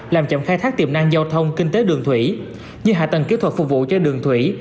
làm chậm khai thác tiềm năng giao thông kinh tế đường thủy như hạ tầng kỹ thuật phục vụ cho đường thủy